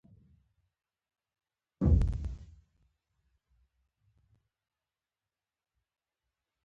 ده ځانګړې کلتوري يا مذهبي ورځو